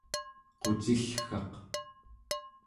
qucillgaq